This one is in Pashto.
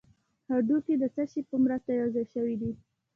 هډوکي د څه شي په مرسته یو ځای شوي دي